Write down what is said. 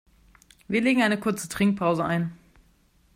Wir legen eine kurze Trinkpause ein.